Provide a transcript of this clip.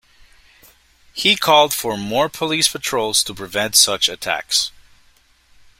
He called for more police patrols to prevent such attacks.